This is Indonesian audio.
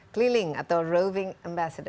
keliling atau roving ambassador